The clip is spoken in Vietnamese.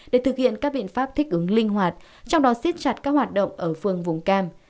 để thực hiện các biện pháp thích ứng linh hoạt trong đó xiết chặt các hoạt động ở phương vùng cam